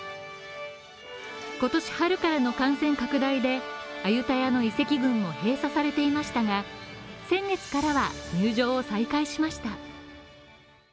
今年春からの感染拡大でアユタヤの遺跡群も閉鎖されていましたが、先月から入場を再開しました。